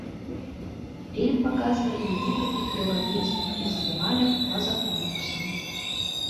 Фільм паказвалі на некалькіх еўрапейскіх фестывалях па-за конкурсам.